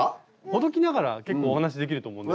ほどきながら結構お話しできると思うので。